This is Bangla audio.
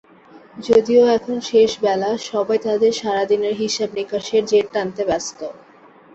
যদিও এখন শেষ বেলা, সবাই তাদের সারা দিনের হিসাব-নিকাশের জের টানতে ব্যস্ত।